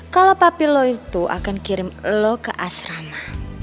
kalau papi lo itu akan kirim lo ke asrama